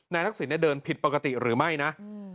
ทักษิณเดินผิดปกติหรือไม่นะ